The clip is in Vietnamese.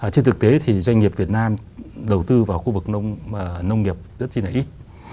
trên thực tế thì doanh nghiệp việt nam đầu tư vào khu vực nông nghiệp rất là ít